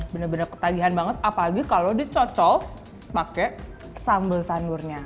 benar benar ketagihan banget apalagi kalau dicocol pakai sambal samburnya